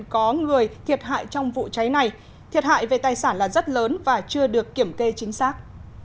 có người thiệt hại trong vụ cháy này thiệt hại về tài sản là rất lớn và chưa được kiểm kê chính xác